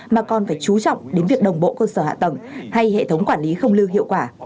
mà còn phải chú trọng đến việc đồng bộ cơ sở hạ tầng hay hệ thống quản lý không lưu hiệu quả